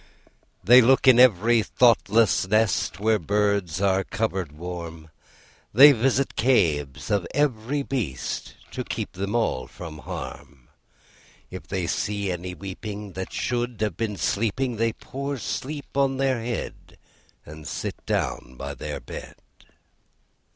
They look in every thoughtless nest Where birds are covered warm; They visit caves of every beast, To keep them all from harm: If they see any weeping That should have been sleeping, They pour sleep on their head, And sit down by their bed.